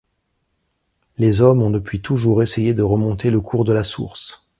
Les hommes ont depuis toujours essayé de remonter le cours de la source.